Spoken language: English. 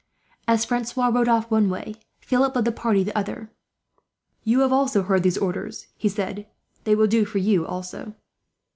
As Francois rode off one way, Philip led his party the other. "You have heard these orders," he said. "They will do for you, also."